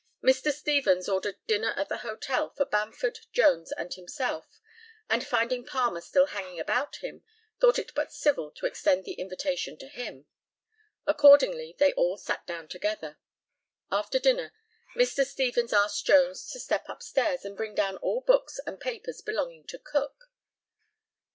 Mr. Stevens ordered dinner at the hotel for Bamford, Jones, and himself, and, finding Palmer still hanging about him, thought it but civil to extend the invitation to him. Accordingly they all sat down together. After dinner, Mr. Stevens asked Jones to step upstairs and bring down all books and papers belonging to Cook.